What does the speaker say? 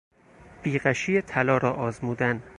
بیغشی طلا را آزمودن